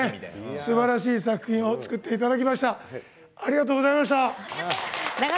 すばらしい作品を作っていただきました。